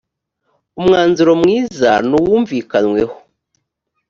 umwanzuro mwiza nuwumvikanyweho .